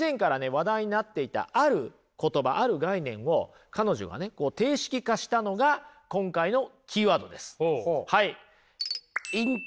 話題になっていたある言葉ある概念を彼女がね定式化したのが今回のキーワードです。